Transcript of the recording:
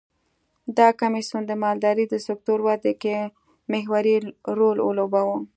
دا کمېسیون د مالدارۍ د سکتور ودې کې محوري رول ولوباوه.